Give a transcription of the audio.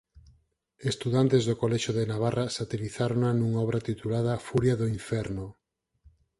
Estudantes do Colexio de Navarra satirizárona nunha obra titulada "Furia do inferno.